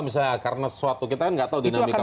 misalnya karena sesuatu kita kan nggak tahu dinamika